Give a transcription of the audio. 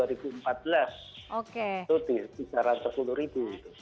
itu di jara rp sepuluh